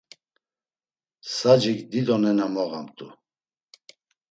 Sacik dido nena moğamt̆u.